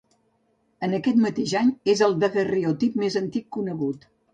En aquest mateix any, és el daguerreotip més antic conegut.